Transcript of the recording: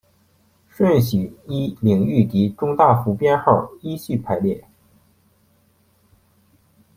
顺序依领域及中大服编号依序排列。